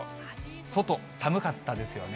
外、寒かったですよね。